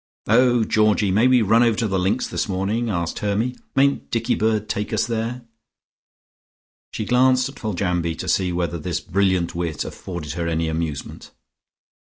"Oh, Georgie, may we run over to the links this morning?" asked Hermy. "Mayn't Dickie bird take us there?" She glanced at Foljambe to see whether this brilliant wit afforded her any amusement.